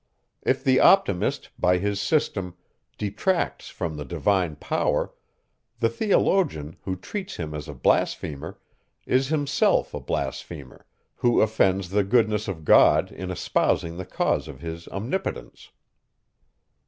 If the Optimist, by his system, detracts from the divine power, the theologian, who treats him as a blasphemer, is himself a blasphemer, who offends the goodness of God in espousing the cause of his omnipotence.